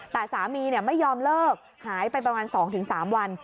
แต่สามีไม่ยอมเลิกหายไปประมาณ๒๓วัน